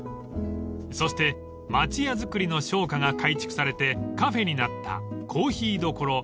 ［そして町屋造りの商家が改築されてカフェになった］